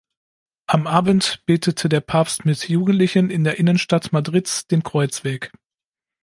Am Abend betete der Papst mit Jugendlichen in der Innenstadt Madrids den Kreuzweg.